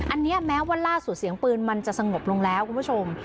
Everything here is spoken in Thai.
อันนี้แม้ว่าล่าสุดเสียงปืนมันจะสงบลงแล้วคุณผู้ชม